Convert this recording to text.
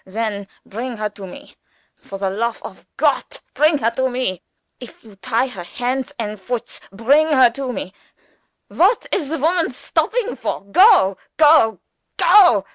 Then bring her to me. For the lofe of Gott, bring her to me. If you tie her hands and foots, bring her to me. What is the womans stopping for? Go! go! go!"